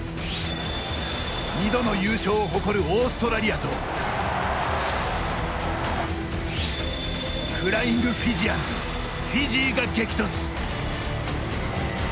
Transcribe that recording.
２度の優勝を誇るオーストラリアとフライング・フィジアンズフィジーが激突。